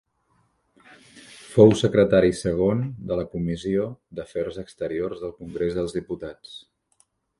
Fou Secretari Segon de la Comissió d'Afers Exteriors del Congrés dels Diputats.